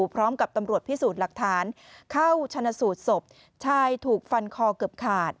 พร้อมกับตำรวจพิสูจน์หลักฐานเข้าชนะสูตรศพชายถูกฟันคอเกือบขาด